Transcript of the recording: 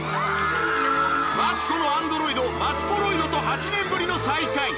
マツコのアンドロイドマツコロイドと８年ぶりの再会